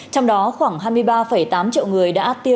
trong đó khoảng hai mươi ba tám triệu người